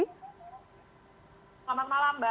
selamat malam mbak